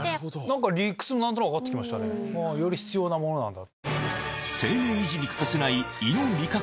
理屈何となく分かってきましたねより必要なものなんだ。